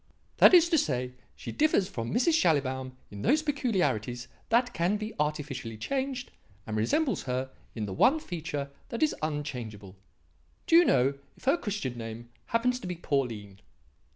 "That is to say that she differs from Mrs. Schallibaum in those peculiarities that can be artificially changed and resembles her in the one feature that is unchangeable. Do you know if her Christian name happens to be Pauline?"